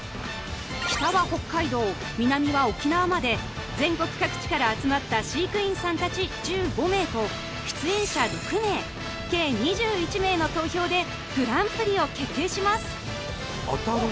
北は北海道南は沖縄まで全国各地から集まった飼育員さん達１５名と出演者６名計２１名の投票でグランプリを決定しますアタル！